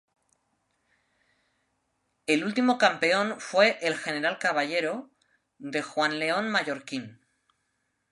El último campeón fue el General Caballero de Juan León Mallorquín.